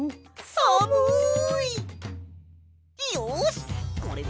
さむい。